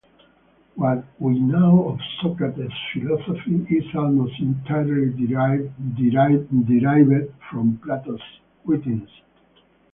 What we know of Socrates' philosophy is almost entirely derived from Plato's writings.